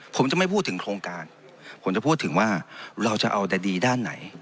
ผมจะไม่พูดถึงโครงการผมจะพูดถึงว่าเราจะเอาแต่ดีด้านไหน